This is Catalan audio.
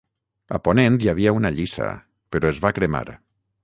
A ponent hi havia una lliça però es va cremar.